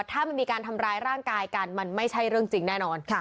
ถ้ามันมีการทำร้ายร่างกายกันมันไม่ใช่เรื่องจริงแน่นอน